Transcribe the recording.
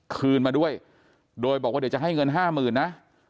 คืนมาด้วยโดยบอกว่าเดี๋ยวจะให้เงินห้าหมื่นนะ